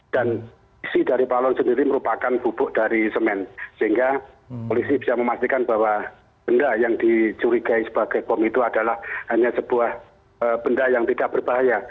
dan isi dari peralon sendiri merupakan bubuk dari semen sehingga polisi bisa memastikan bahwa benda yang dicurigai sebagai bom itu adalah hanya sebuah benda yang tidak berbahaya